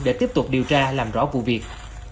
để tiếp tục điều tra làm rõ vụ việc